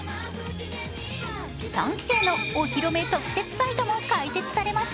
三期生のお披露目特設サイトも開設されました。